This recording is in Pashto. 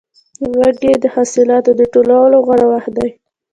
وږی د حاصلاتو د ټولولو غوره وخت دی.